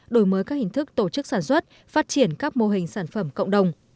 đổi mới các hình thức tổ chức sản xuất phát triển các mô hình sản phẩm cộng đồng